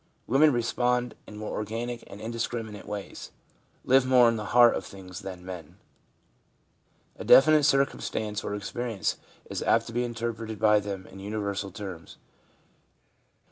Women respond in more organic and indiscriminate ways ; live more in the heart of things than men. A definite circumstance or experience is apt to be interpreted by them in universal terms.